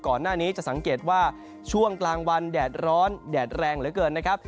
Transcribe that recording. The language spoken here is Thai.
ก่อนหน้านี้จะสังเกตว่าช่วงกลางวันแดดร้อนแดดแรงเหลือเกินนะครับ